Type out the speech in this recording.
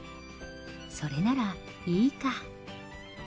それならいいか。